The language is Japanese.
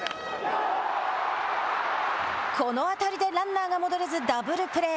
この当たりでランナーが戻れずダブルプレー。